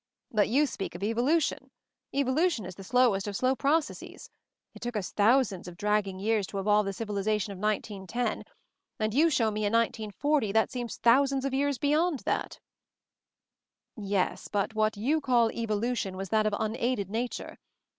"But you speak of evolution. Evolution is the slowest of slow processes. It took us thousands of dragging years to evolve the civilization of 1910, and you show me a 1940 that seems thousands of years beyond that." "Yes; but what you call Evolution' was that of unaided nature.